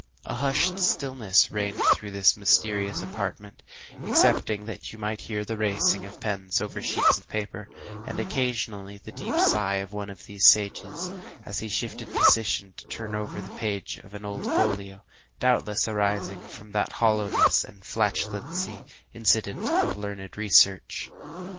A hushed stillness reigned through this mysterious apartment, excepting that you might hear the racing of pens over sheets of paper, and occasionally the deep sigh of one of these sages, as he shifted his position to turn over the page of an old folio; doubtless arising from that hollowness and flatulency incident to learned research.